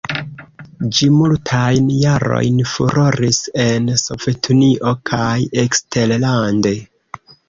Ĝi multajn jarojn furoris en Sovetunio kaj eksterlande.